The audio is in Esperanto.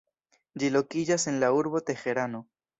Ĝi lokiĝas en la urbo Teherano.